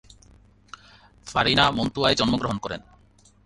Farina মন্তুয়ায় জন্মগ্রহণ করেন।